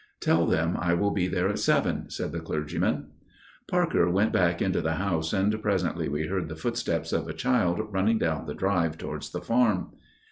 "Tell them I will be there at seven," said the clergyman. Parker went back to the house, and presently we heard the footsteps of a child running down the drive towards the farm.